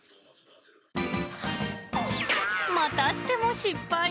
またしても失敗。